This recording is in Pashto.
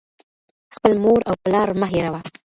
• خپل مور و پلار مه هېروه.